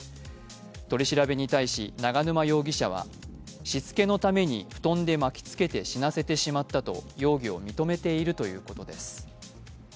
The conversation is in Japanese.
取り調べに対し、永沼容疑者はしつけのために布団で巻き付けて死なせてしまったと容疑を認めているということです。